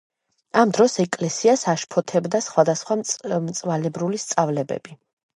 ამ დროს ეკლესიას აშფოთებდა სხვადასხვა მწვალებლური სწავლებები.